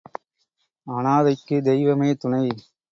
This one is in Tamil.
அநாதைக்குத் தெய்வமே துணை.